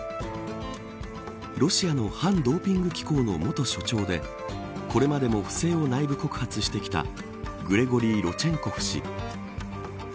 ロシアの反ドーピング機構の元所長でこれまでも不正を内部告発してきたグレゴリー・ロチェンコフ氏。